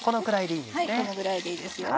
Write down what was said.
このくらいでいいですね？